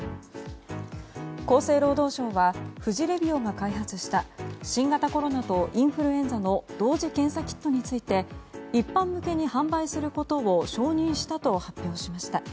厚生労働省は富士レビオが開発した新型コロナとインフルエンザの同時検査キットについて一般向けに販売することを承認したと発表しました。